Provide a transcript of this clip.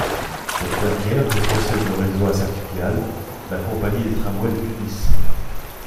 Cette dernière rétrocède le réseau à sa filiale, la Compagnie des tramways de Tunis.